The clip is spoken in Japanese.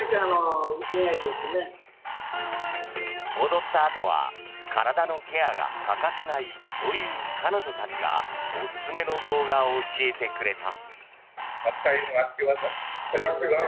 踊ったあとは体のケアが欠かせないという彼女たちがおすすめの動画を教えてくれた。